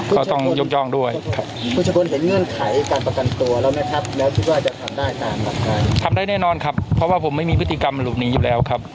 ก็เท่าที่ผมได้ดูนะครับวิธีการทำงานของศาลมกฏฐานนะครับ